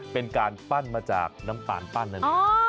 เป็นการปั้นมาจากน้ำตาลปั้นนั่นเอง